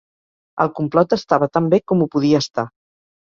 El complot estava tan bé com ho podia estar.